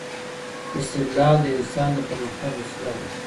استدلال د انسان د پرمختګ وسيله ده.